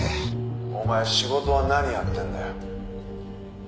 「お前仕事は何やってるんだよ？」